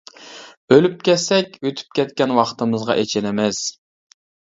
ئۆلۈپ كەتسەك ئۆتۈپ كەتكەن ۋاقتىمىزغا ئېچىنىمىز!